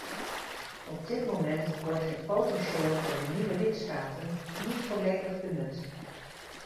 Op dit moment wordt het potentieel van de nieuwe lidstaten niet volledig benut.